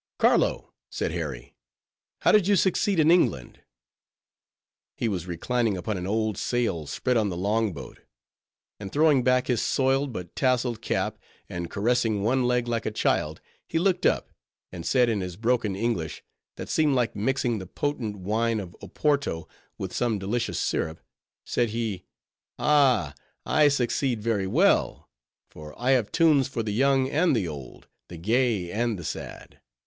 "Carlo," said Harry, "how did you succeed in England?" He was reclining upon an old sail spread on the long boat; and throwing back his soiled but tasseled cap, and caressing one leg like a child, he looked up, and said in his broken English—that seemed like mixing the potent wine of Oporto with some delicious syrup:—said he, "Ah! I succeed very well!—for I have tunes for the young and the old, the gay and the sad.